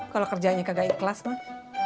kalau kerjanya kagak ikhlas mah